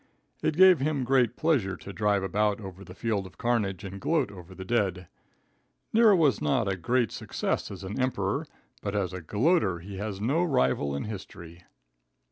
It gave him great pleasure to drive about over the field of carnage and gloat over the dead. Nero was not a great success as an Emperor, but as a gloater he has no rival in history.